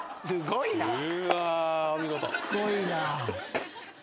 すごいな。